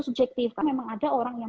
subjektif kan memang ada orang yang